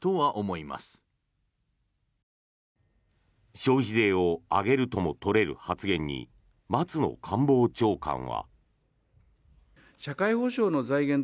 消費税を上げるとも取れる発言に松野官房長官は。